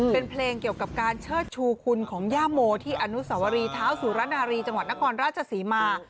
เป็นเพลงเกี่ยวกับการเชิดชูคุณของย่าโมที่อนุสวรีเท้าสุรนารีจังหวัดนครราชศรีมา